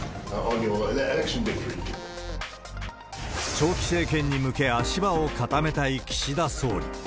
長期政権に向け、足場を固めたい岸田総理。